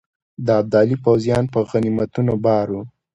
د ابدالي پوځیان په غنیمتونو بار وه.